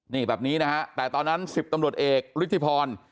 นี่แบบนี้นะฮะแต่ตอนนั้น๑๐ตำรวจเอกฤทธิพร